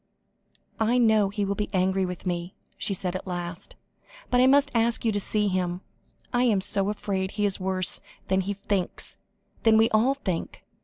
"I know he will be angry with me," she said at last, "but I must ask you to see him. I am so afraid he is worse than he thinks, than we all think.